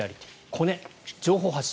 コネ、情報発信。